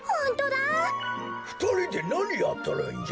ふたりでなにやっとるんじゃ？